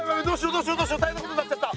どうしようどうしよう大変なことになっちゃった。